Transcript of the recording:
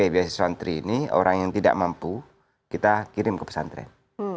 beasis santri ini orang yang tidak mampu kita kirim ke pesantren